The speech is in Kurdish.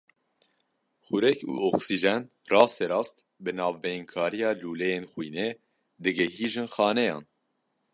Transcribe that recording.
Xurek û oksîjen rasterast bi navbeynkariya lûleyên xwînê digihîjin xaneyan.